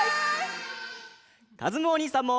かずむおにいさんも。